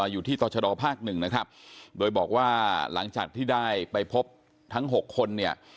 อยู่ที่ตรชดภาคหนึ่งนะครับโดยบอกว่าหลังจากที่ได้ไปพบทั้ง๖คนเนี่ย